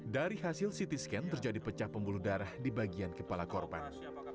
dari hasil ct scan terjadi pecah pembuluh darah di bagian kepala korban